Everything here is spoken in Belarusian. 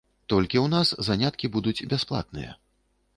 Толькі ў нас заняткі будуць бясплатныя.